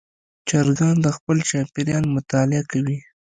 چرګان د خپل چاپېریال مطالعه کوي.